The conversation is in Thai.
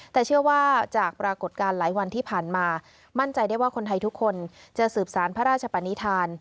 แต่เชื่อว่าจากปรากฏการณ์หลายวันที่ผ่านมามั่นใจได้ว่าคนไทยทุกคนจะสืบสารพระราชปนิษฐาน